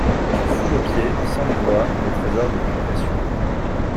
Tu foules aux pieds, sans les voir, les trésors les plus précieux.